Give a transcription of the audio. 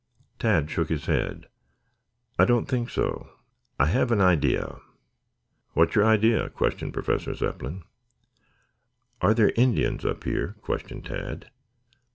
Tad shook his head. "I don't think so. I have an idea." "What is your idea?" questioned Professor Zepplin. "Are there Indians up here?" questioned Tad.